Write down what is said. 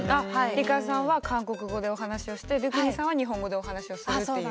梨花さんは韓国語でお話をしてドゥクニさんは日本語でお話をするっていう。